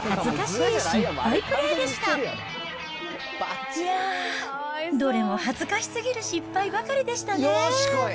いやー、どれも恥ずかしすぎる失敗ばかりでしたね。